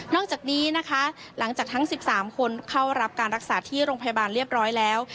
จากนี้นะคะหลังจากทั้ง๑๓คนเข้ารับการรักษาที่โรงพยาบาลเรียบร้อยแล้ว